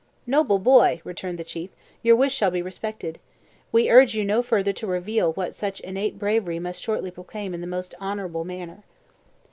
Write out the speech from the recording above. "Noble boy," returned the chief, "your wish shall be respected. We urge you no further to reveal what such innate bravery must shortly proclaim in the most honorable manner."